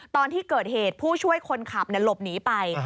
ตอนที่เกิดเหตุผู้ช่วยคนขับหลบหนีไป